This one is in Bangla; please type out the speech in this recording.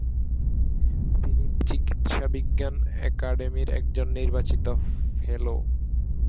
তিনি চিকিৎসাবিজ্ঞান একাডেমির একজন নির্বাচিত ফেলো।